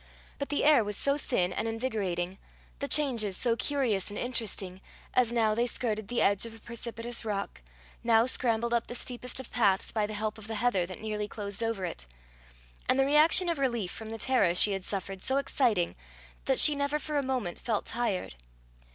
But the air was so thin and invigorating, the changes so curious and interesting, as now they skirted the edge of a precipitous rock, now scrambled up the steepest of paths by the help of the heather that nearly closed over it, and the reaction of relief from the terror she had suffered so exciting, that she never for a moment felt tired.